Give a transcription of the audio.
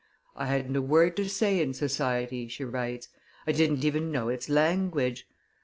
"I hadn't a word to say in society," she writes; "I didn't even know its language.